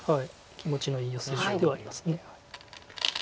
気持ちのいいヨセではあります。